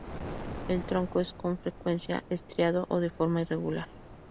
El tronco es con frecuencia estriado o de forma irregular.